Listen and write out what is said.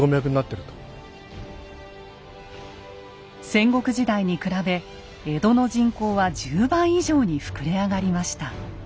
戦国時代に比べ江戸の人口は１０倍以上に膨れ上がりました。